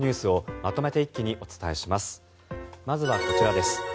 まずはこちらです。